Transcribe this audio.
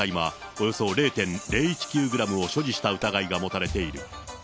およそ０．０１９グラムを所持した疑いが持たれている。